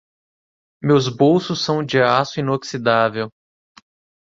Meus bolsos são de aço inoxidável.